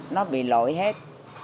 nó bị lội hết